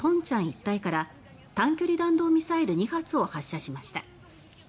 一帯から短距離弾道ミサイル２発を発射しました。